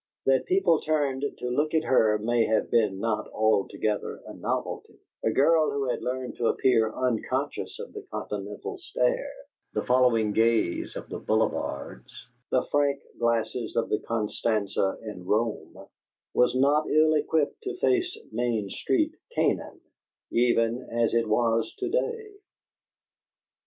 That people turned to look at her may have been not altogether a novelty: a girl who had learned to appear unconscious of the Continental stare, the following gaze of the boulevards, the frank glasses of the Costanza in Rome, was not ill equipped to face Main Street, Canaan, even as it was to day.